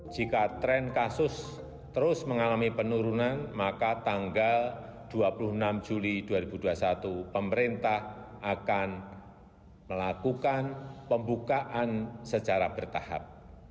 jika tren kasus terus mengalami penurunan maka tanggal dua puluh enam juli dua ribu dua puluh satu pemerintah akan melakukan pembukaan secara bertahap